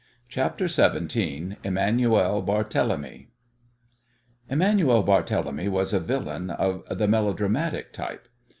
CHAPTER XVII EMANUEL BARTHÉLEMY Emanuel Barthélemy was a villain of the melodramatic type.